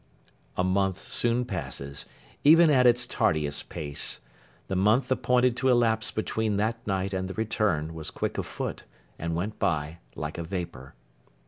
A month soon passes, even at its tardiest pace. The month appointed to elapse between that night and the return, was quick of foot, and went by, like a vapour.